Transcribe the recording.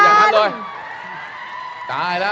อย่างนั้นเลยตายแล้ว